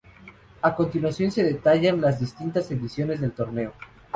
A continuación se detallan las distintas ediciones del torneo.